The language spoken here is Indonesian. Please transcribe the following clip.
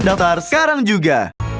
daftar sekarang juga